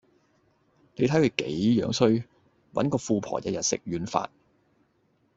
你睇佢幾樣衰，搵個富婆日日食軟飯